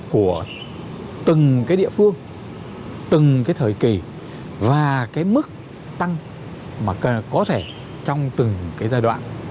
của từng cái địa phương từng cái thời kỳ và cái mức tăng mà có thể trong từng cái giai đoạn